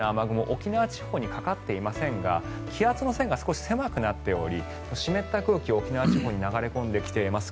沖縄地方にかかっていませんが気圧の線が少し狭くなっており湿った空気、沖縄地方に流れ込んできています。